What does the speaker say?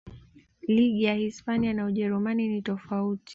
ligi ya hispania na ujerumani ni tofauti